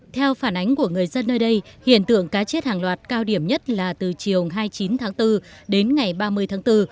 theo phản ánh của người dân nơi đây hiện tượng cá chết hàng loạt cao điểm nhất là từ chiều hai mươi chín tháng bốn đến ngày ba mươi tháng bốn